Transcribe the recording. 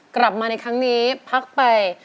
กลับมาในครั้งนี้พักไป